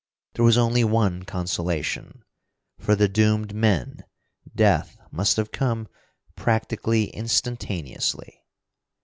There was only one consolation: for the doomed men, death must have come practically instantaneously.